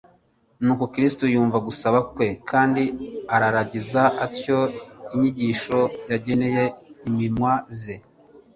Nuko Kristo yumva gusaba kwe kandi ararigiza atyo inyigisho yageneye imimwa ze.